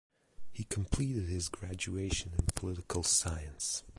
He completed his graduation in political science.